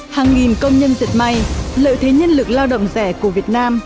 hàng nghìn công nhân giật may lợi thế nhân lực lao động rẻ của việt nam